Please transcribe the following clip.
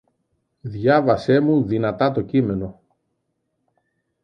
Διάβασέ μου δυνατά το κείμενο.